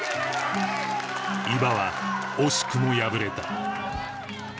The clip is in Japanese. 伊庭は惜しくも敗れた